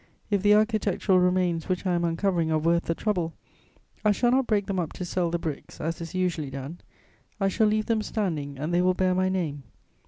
If the architectural remains which I am uncovering are worth the trouble, I shall not break them up to sell the bricks, as is usually done: I shall leave them standing, and they will bear my name.